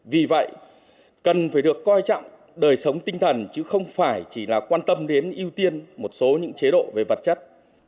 vì vậy cần phải được coi trọng đời sống tinh thần chứ không phải chỉ là quan tâm đến ưu tiên một số những chế độ về vật chất